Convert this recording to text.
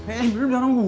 eh belum dorong gue kok